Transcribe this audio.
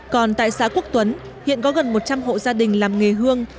còn tại xã quốc tuấn hiện có gần một trăm linh hộ gia đình làm nghề hương